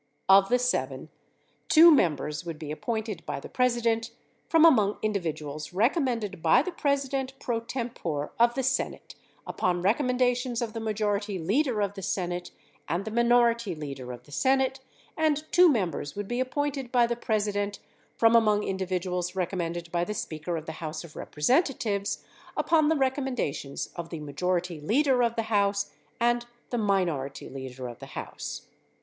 Of the seven, two members would be appointed by the President from among individuals recommended by the President pro tempore of the Senate upon recommendations of the majority leader of the Senate and the minority leader of the Senate and two members would be appointed by the President from among individuals recommended by the Speaker of the House of Representatives upon the recommendations of the majority leader of the House and the minority leader of the House.